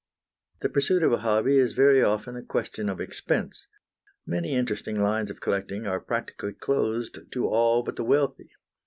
The pursuit of a hobby is very often a question of expense. Many interesting lines of collecting are practically closed to all but the wealthy.